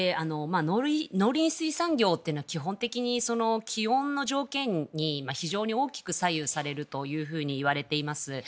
農林水産業というのは基本的に気温の条件に非常に大きく左右されるといわれています。